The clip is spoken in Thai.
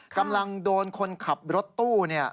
กำลังโดนคนขับรถตู้เนี่ย